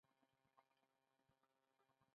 علي هم ښوونځی کوي هم د کور کار.